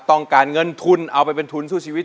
ต้องการเงินทุนเอาไปเป็นทุนสู้ชีวิต